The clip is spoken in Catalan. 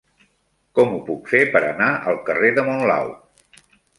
Com ho puc fer per anar al carrer de Monlau?